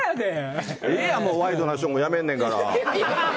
ええやん、もうワイドナショーもやめんねんから。